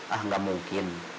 ah gak mungkin